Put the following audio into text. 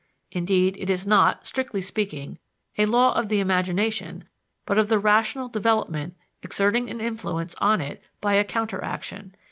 Indeed, it is not, strictly speaking, a law of the imagination but of the rational development exerting an influence on it by a counter action.